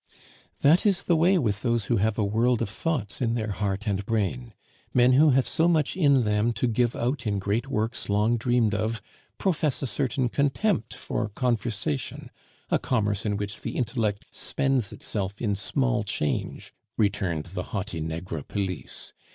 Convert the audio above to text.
"That is the way with those who have a world of thoughts in their heart and brain. Men who have so much in them to give out in great works long dreamed of, profess a certain contempt for conversation, a commerce in which the intellect spends itself in small change," returned the haughty Negrepelisse.